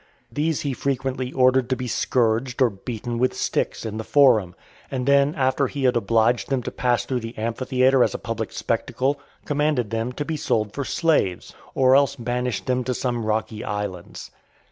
These he frequently ordered to be scourged or beaten with sticks in the Forum, and then, after he had obliged them to pass through the amphitheatre as a public spectacle, commanded them to be sold for slaves, or else banished them to some rocky islands.